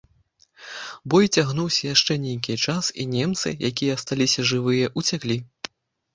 Бой цягнуўся яшчэ нейкі час, і немцы, якія асталіся жывыя, уцяклі.